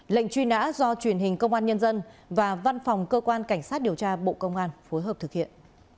lệnh truy nã do truyền hình công an nhân dân và văn phòng cơ quan cảnh sát điều tra bộ công an phối hợp thực hiện